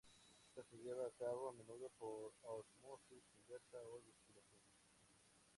Ésta se lleva a cabo a menudo por ósmosis inversa o destilación.